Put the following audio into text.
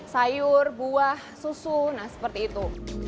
sayur buah susu nah seperti itu